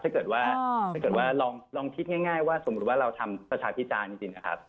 ถ้าเกิดว่าลองคิดง่ายว่าสมมุติว่าเราทำประชาภิกษาจริงนะครับ